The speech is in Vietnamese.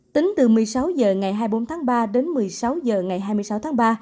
tính từ một mươi sáu h ngày hai mươi bốn tháng ba đến một mươi sáu h ngày hai mươi sáu tháng ba